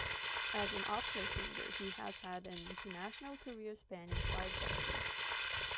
As an opera singer, he has had an international career spanning five decades.